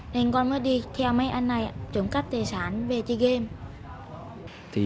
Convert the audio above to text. nên con mới đi theo mấy anh này trộm cắp tài sản về chơi game